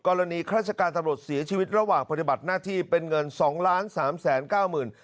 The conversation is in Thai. กรณีคราชการตำรวจเสียชีวิตระหว่างปฏิบัติหน้าที่เป็นเงินสองล้านสามแสนเก้าหมื่น